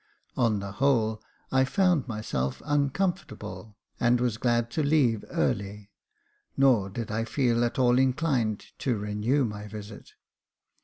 On the whole, I found myself uncomfortable, and was glad to leave early, nor did I feel at all inclined to renew my visit.